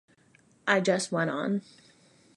I just went on.